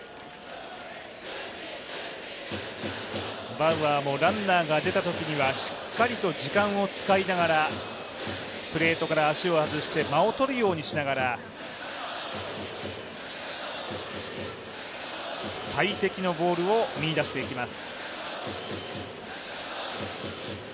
バウアーもランナーが出たときにはしっかりと時間を使いながらプレートから足を外して間を取るようにしながら最適なボールを見いだしていきます。